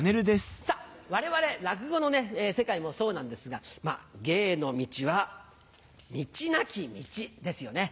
我々落語の世界もそうなんですが「芸の道は道なき道」ですよね。